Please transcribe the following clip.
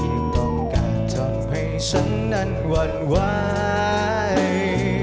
ที่ต้องการทนให้ฉันนั้นหวั่นไหว